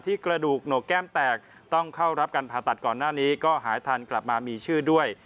กระดูกโหนกแก้มแตกต้องเข้ารับการผ่าตัดก่อนหน้านี้ก็หายทันกลับมามีชื่อด้วย